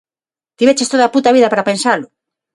Tiveches toda a puta vida pra pensalo!